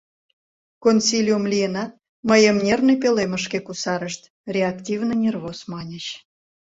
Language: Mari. Консилиум лийынат, мыйым нервный пӧлемышке кусарышт — реактивный нервоз, маньыч.